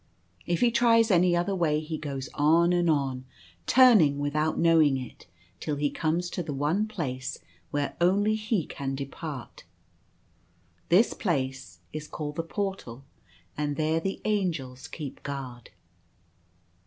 If he tries any other way he goes on and on, turning without knowing it, till he comes to the one place where only he can depart. This place is called the Portal, and there the Angels keep guard.